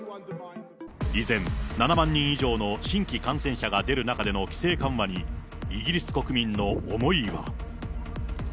依然、７万人以上の新規感染者が出る中での規制緩和に、イギリス国民の思いは。